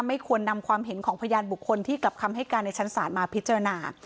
ไม่ควรนำความเห็นของพยานบุคคลที่กลับคำให้การในชั้นศาลมาพิจารณา